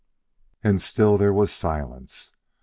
And still there was silence.